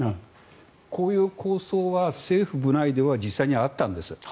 こういう構想は政府部内では実際にあったんです。